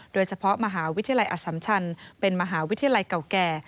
โดยเฉพาะมหาวิทยาลัยอสัมชันเป็นมหาวิทยาลัยเก่าแก่